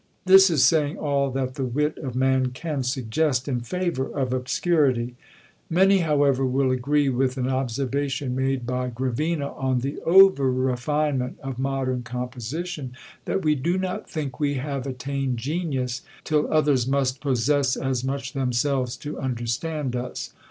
This is saying all that the wit of man can suggest in favour of obscurity! Many, however, will agree with an observation made by Gravina on the over refinement of modern composition, that "we do not think we have attained genius, till others must possess as much themselves to understand us."